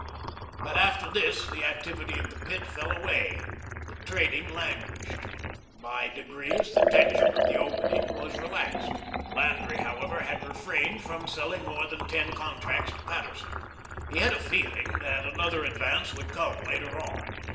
But after this the activity of the Pit fell away. The trading languished. By degrees the tension of the opening was relaxed. Landry, however, had refrained from selling more than ten "contracts" to Paterson. He had a feeling that another advance would come later on.